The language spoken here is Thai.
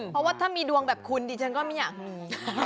เพราะว่าถ้ามีดวงแบบคุณดิฉันก็ไม่อยากมี